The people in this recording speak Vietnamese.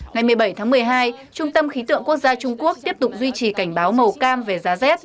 ngày một mươi bảy tháng một mươi hai trung tâm khí tượng quốc gia trung quốc tiếp tục duy trì cảnh báo màu cam về giá rét